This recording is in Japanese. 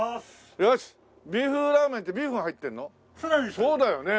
そうだよね。